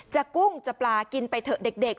กุ้งจะปลากินไปเถอะเด็ก